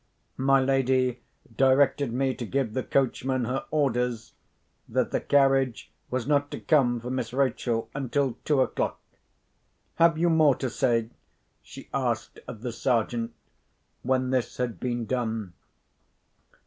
My lady directed me to give the coachman her orders, that the carriage was not to come for Miss Rachel until two o'clock. "Have you more to say?" she asked of the Sergeant, when this had been done.